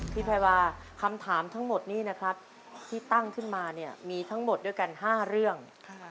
แพรวาคำถามทั้งหมดนี้นะครับที่ตั้งขึ้นมาเนี่ยมีทั้งหมดด้วยกัน๕เรื่อง